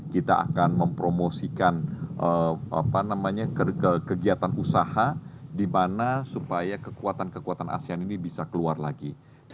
kita akan mempromosikan kegiatan usaha di mana supaya kekuatan kekuatan asean ini bisa keluar lagi